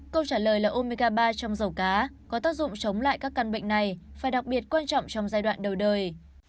câu trả lời là omiga ba trong dầu cá có tác dụng chống lại các căn bệnh này và đặc biệt quan trọng trong giai đoạn đầu đời